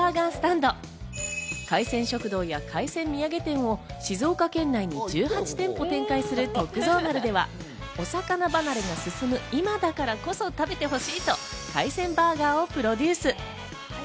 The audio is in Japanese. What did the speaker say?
海鮮食堂や海鮮土産店を静岡県内に１８店舗展開する徳造丸ではお魚離れの進む今だからこそ食べてほしいと海鮮バーガーをプロデュース。